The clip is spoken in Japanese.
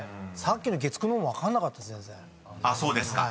さっきの月９のも分かんなかったです。